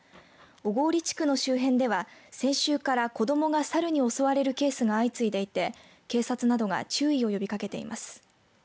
小郡地区の周辺では先週から子どもがサルに襲われるケースが相次いでいて警察などが注意を呼びかけています。